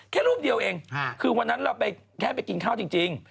แค่รูปเดียวเองคือวันนั้นเราไปแค่ไปกินข้าวจริง